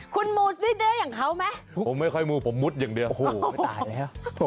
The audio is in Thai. คุณมูซิเดอร์อย่างเขาไหมผมไม่ค่อยมูผมมุดอย่างเดียวโอ้โหไม่ตายแล้ว